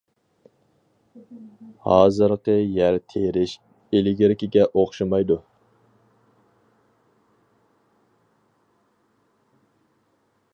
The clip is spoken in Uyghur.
ھازىرقى يەر تېرىش ئىلگىرىكىگە ئوخشىمايدۇ.